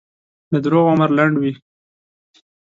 د دروغو عمر لنډ وي.